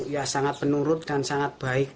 ya sangat menurun dan sangat baik